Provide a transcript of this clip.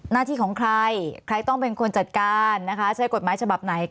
หน้าที่ของใครใครต้องเป็นคนจัดการนะคะใช้กฎหมายฉบับไหน